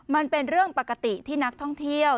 มันเป็นเรื่องปกติที่นักท่องเที่ยว